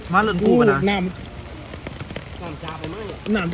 มาเริ่มครู่ที่น้ำ